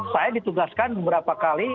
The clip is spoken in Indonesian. saya ditugaskan beberapa kali